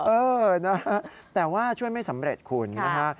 เออนะฮะแต่ว่าช่วยไม่สำเร็จคุณนะฮะ